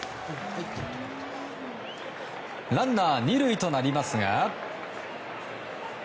ランナー２塁となりますが。